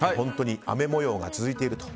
雨模様が続いていると。